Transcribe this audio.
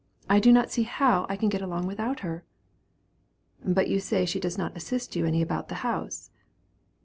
I do not see how I can get along without her." "But you say she does not assist you any about the house."